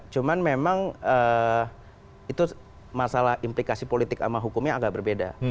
cuman memang itu masalah implikasi politik sama hukumnya agak berbeda